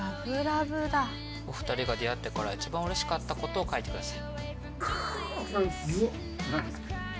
お二人が出会ってから一番嬉しかった事を書いてください。